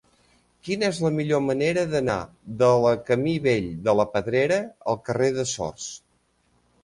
Quina és la millor manera d'anar de la camí Vell de la Pedrera al carrer de Sors?